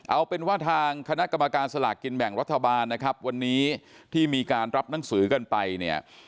เอาเป็นว่าทางคณะกรรมการสลากกินแบ่งรัฐบาลนะครับวันนี้ที่มีการรับหนังสือกันไปเนี่ย